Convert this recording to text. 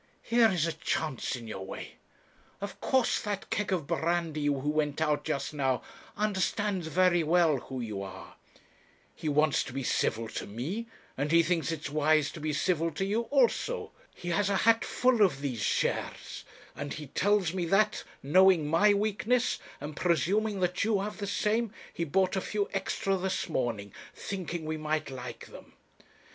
Here is a chance in your way. Of course that keg of brandy who went out just now understands very well who you are. He wants to be civil to me, and he thinks it wise to be civil to you also. He has a hat full of these shares, and he tells me that, knowing my weakness, and presuming that you have the same, he bought a few extra this morning, thinking we might like them.